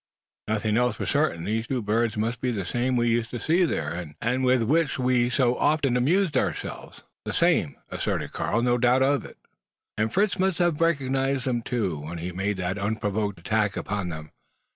"Nothing else. For certain, these two birds must be the same we used to see there, and with which we so often amused ourselves!" "The same," asserted Karl. "No doubt of it." "And Fritz must have recognised them too when he made that unprovoked attack upon them!